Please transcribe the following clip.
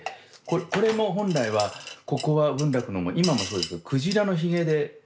これも本来はここは文楽のも今もそうですけど鯨のヒゲでやってるんですよ